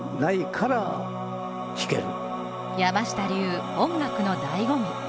山下流、音楽のだいご味。